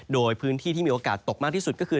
โดยพื้นที่ที่มีโอกาสตกมากที่สุดก็คือ